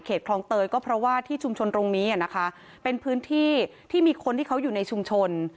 คลองเตยก็เพราะว่าที่ชุมชนตรงนี้นะคะเป็นพื้นที่ที่มีคนที่เขาอยู่ในชุมชน